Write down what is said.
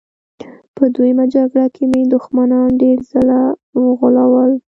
په دویمه جګړه کې مې دښمنان ډېر ځله وغولول